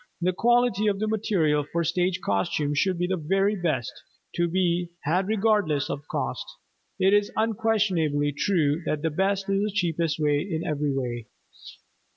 The quality of the material for stage costumes should be the very best to be had regardless of cost. It is unquestionably true that the best is the cheapest in every way.